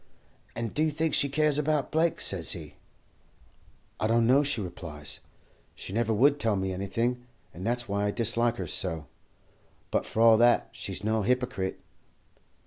"'And do you think she cares about Blake?' says he. "'I don't know,' she replies. 'She never would tell me anything, and that's why I dislike her so. But, for all that, she's no hypocrite.'